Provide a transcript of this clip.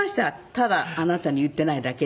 ただあなたに言ってないだけでね。